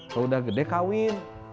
kalau udah gede kawin